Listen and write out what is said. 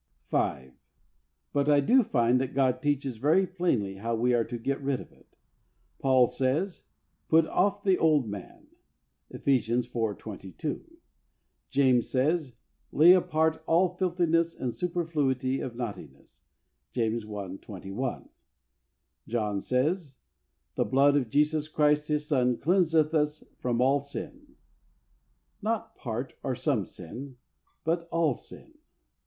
5. But I do find that God teaches very plainly how we are to get rid of it. Paul says, "Put off the old {Ephesians iv. 22). James says, "Lay apart all filthiness and superfluity of naughtiness" {James i. 21). John says, "The blood of Jesus Christ His Son cleanseth us from all sin," not part or some sin, but "all sin."